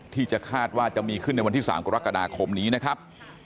ที่จะคาดว่าจะมีขึ้นในวันที่๓กรกฎาคมนี้นะครับ